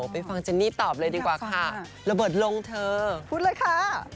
ไปฟังเจนนี่ตอบเลยดีกว่าค่ะระเบิดลงเธอพูดเลยค่ะ